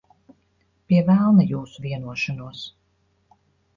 Pie velna jūsu vienošanos.